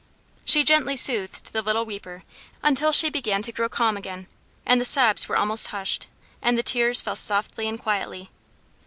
She gently soothed the little weeper until she began to grow calm again, and the sobs were almost hushed, and the tears fell softly and quietly.